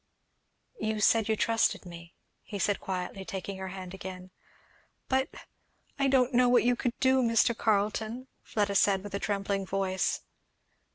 "You said you trusted me," he said quietly, taking her hand again. "But I don't know what you could do, Mr. Carleton," Fleda said with a trembling voice.